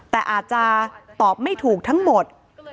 แต่อาจจะตอบไม่ถูกทั้งหมด